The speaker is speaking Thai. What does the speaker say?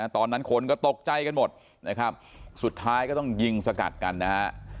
ตอนนั้นคนก็ตกใจกันหมดนะครับสุดท้ายก็ต้องยิงสกัดกันนะฮะ